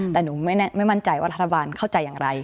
แต่หนูไม่มั่นใจว่ารัฐบาลเข้าใจอย่างไร